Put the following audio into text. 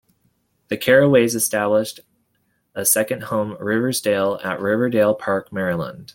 The Caraways established a second home Riversdale at Riverdale Park, Maryland.